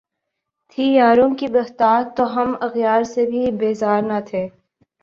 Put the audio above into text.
تھی یاروں کی بہتات تو ہم اغیار سے بھی بیزار نہ تھے